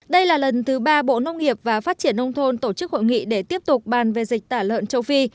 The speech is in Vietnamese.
đây là lần thứ ba bộ nông nghiệp và phát triển nông thôn tổ chức hội nghị để tiếp tục bàn về dịch tả lợn châu phi